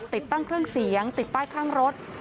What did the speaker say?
ติดตั้งเครื่องเสียงติดป้ายข้างรถ